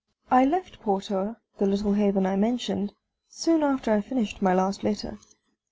I left Portoer, the little haven I mentioned, soon after I finished my last letter.